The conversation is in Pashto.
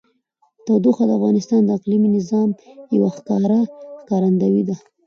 تودوخه د افغانستان د اقلیمي نظام یوه ښکاره ښکارندوی ده.